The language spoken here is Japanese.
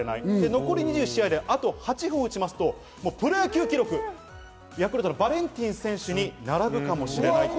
残り２１試合であと８本打ちますとプロ野球記録、ヤクルトのバレンティン選手に並ぶかもしれないと。